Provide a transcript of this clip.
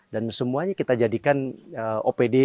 dan semuanya kita jadikan opd